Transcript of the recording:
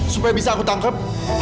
supaya bisa aku tangkep